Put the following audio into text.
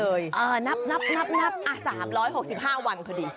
เออนับอ่ะ๓๖๕วันพอดี